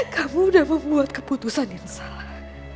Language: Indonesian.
kamu dapat membuat keputusan yang salah